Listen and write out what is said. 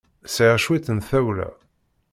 Sɛiɣ cwiṭ n tawla.